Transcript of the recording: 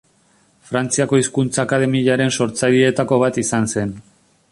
Frantziako Hizkuntza Akademiaren sortzaileetako bat izan zen.